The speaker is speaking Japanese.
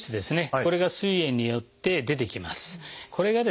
これがすい炎によって出てきます。